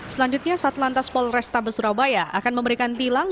selanjutnya satlantas polresta besurabaya akan memberikan tilang